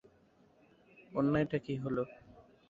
অন্যায়টা কী হল?